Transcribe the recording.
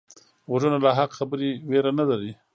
غوږونه له حق خبرې ویره نه لري